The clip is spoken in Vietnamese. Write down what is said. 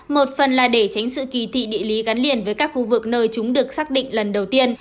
một phần là để tránh sự kỳ thị địa lý gắn liền với các khu vực nơi chúng được xác định lần đầu tiên